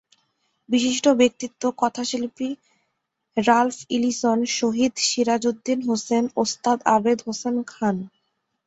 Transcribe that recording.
বিশিষ্ট ব্যক্তিত্ব—কথাশিল্পী রালফ ইলিসন, শহীদ সিরাজুদ্দীন হোসেন, ওস্তাদ আবেদ হোসেন খান।